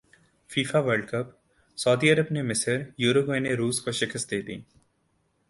FIFA World Cup سعودی عرب نے مصر یوروگوئے نے روس کو شکست دیدی